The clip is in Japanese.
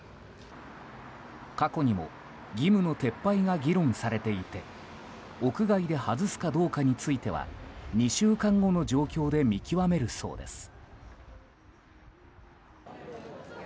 過去にも義務の撤廃を議論されていて屋外で外すかどうかについては２週間後の状況で見極めるそうです。